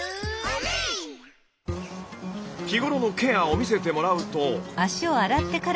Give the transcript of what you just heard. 日頃のケアを見せてもらうと。